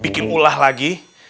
bikin ulah lagi